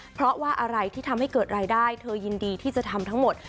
เพราะว่าอะไรที่ทำให้เกิดรายได้เธอยินดีที่จะทำทั้งหมด